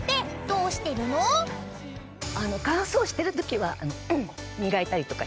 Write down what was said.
乾燥してるときは磨いたりとかして。